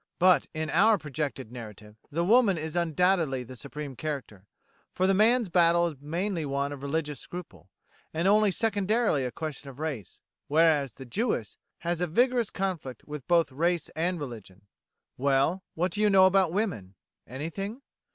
But in our projected narrative, the woman is undoubtedly the supreme character; for the man's battle is mainly one of religious scruple, and only secondarily a question of race; whereas, the Jewess has a vigorous conflict with both race and religion. Well, what do you know about women? Anything?